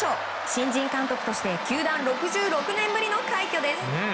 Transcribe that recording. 新人監督として球団６６年ぶりの快挙です。